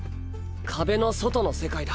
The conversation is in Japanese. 壁の外の世界だ。